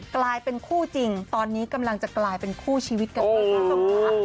กลายเป็นคู่จริงตอนนี้กำลังจะกลายเป็นคู่ชีวิตกัน